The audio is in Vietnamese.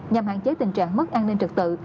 nhằm hạn chế tình trạng mất an ninh trật tự